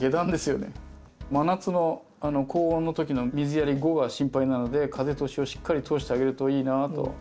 真夏の高温のときの水やり後が心配なので風通しをしっかり通してあげるといいなと。